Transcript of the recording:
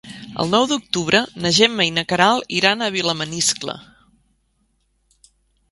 El nou d'octubre na Gemma i na Queralt iran a Vilamaniscle.